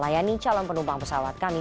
ini calon penerbangan pesawat kami